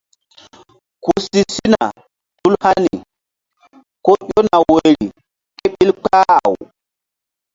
Ku si sina tul hani ko ƴona woyri ké ɓil kpah-aw.